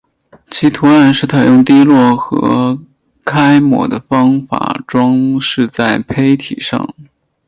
其图案是采用滴落和揩抹的方法装饰在坯体上。